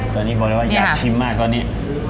ตอนนี้บอกเลยว่าอยากชิมมากตอนนี้